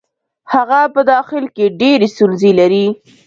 هغه په داخل کې ډېرې ستونزې لري.